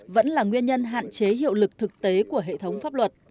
vẫn là nguyên nhân hạn chế hiệu lực thực tế của hệ thống pháp luật